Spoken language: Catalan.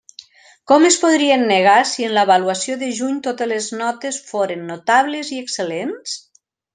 Com es podrien negar si en l'avaluació de juny totes les notes foren notables i excel·lents?